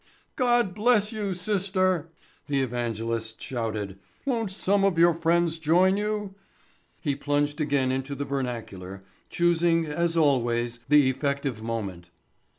"God bless you, sister," the evangelist shouted. "Won't some of your friends join you?" He plunged again into the vernacular, choosing, as always, the effective moment.